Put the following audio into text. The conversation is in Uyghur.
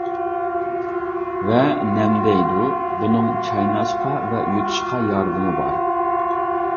ۋە نەمدەيدۇ، بۇنىڭ چايناشقا ۋە يۇتۇشقا ياردىمى بار.